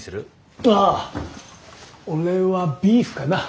ああ俺はビーフかな。